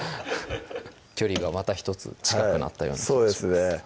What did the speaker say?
距離がまたひとつ近くなったようなそうですね